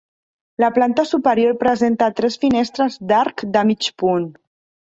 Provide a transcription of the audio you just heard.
La planta superior presenta tres finestres d'arc de mig punt.